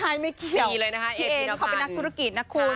ไม่ใช่ไม่เกี่ยวพี่เอ๋นนี่เขาเป็นนักธุรกิจนักคุณ